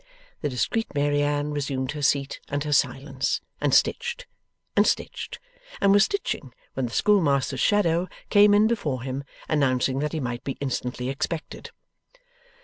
The discreet Mary Anne resumed her seat and her silence, and stitched, and stitched, and was stitching when the schoolmaster's shadow came in before him, announcing that he might be instantly expected.